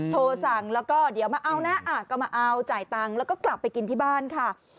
โทรสั่งแล้วก็เดี๋ยวมาเอานะก็มาเอาจ่ายตังค์แล้วก็กลับไปกินที่บ้านค่ะ